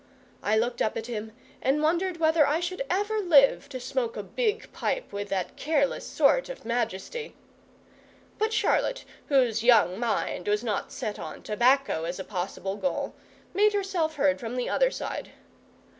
I looked up at him and wondered whether I should ever live to smoke a big pipe with that careless sort of majesty! But Charlotte, whose young mind was not set on tobacco as a possible goal, made herself heard from the other side.